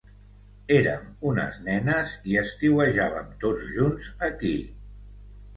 Érem unes nenes i estiuejàvem tots junts aquí.